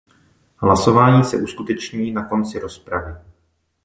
Hlasování se uskuteční na konci rozpravy.